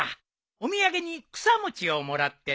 お土産に草餅をもらってのう。